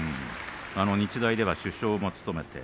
日大では主将も務めていて